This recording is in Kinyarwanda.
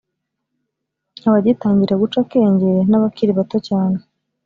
abagitangira guca akenge n’abakiri bato cyane